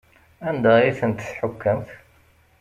Anda ay tent-tḥukkemt?